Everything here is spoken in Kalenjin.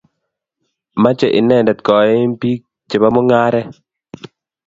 Mache inendet koim pik che ba mungaret